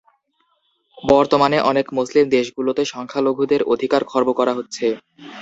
বর্তমানে, অনেক মুসলিম দেশগুলোতে সংখ্যালঘুদের অধিকার খর্ব করা হচ্ছে।